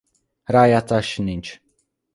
Rájátszás nincs.